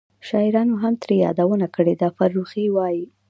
شاعرانو هم ترې یادونه کړې ده. فرخي وایي: